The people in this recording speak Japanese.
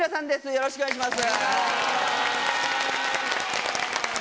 よろしくお願いします。